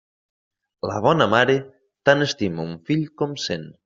La bona mare, tant estima un fill com cent.